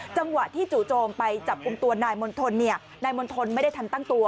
จังหวะที่จู่โจมไปจับกลุ่มตัวนายมณฑลนายมณฑลไม่ได้ทันตั้งตัว